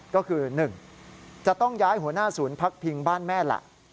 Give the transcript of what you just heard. ก็คือ๑จะต้องย้ายหัวหน้าศูนย์พักพิงบ้านแม่ล่ะ